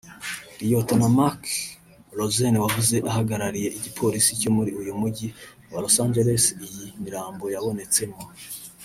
Liyetona Mark Rosen wavuze ahagarariye igipolisi cyo muri uyu mujyi wa Los Angeless iyi mirambo yabonetsemo